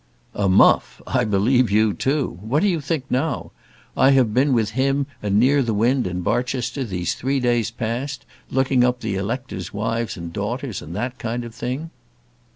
"A muff I believe you too. What do you think now? I have been with him and Nearthewinde in Barchester these three days past, looking up the electors' wives and daughters, and that kind of thing."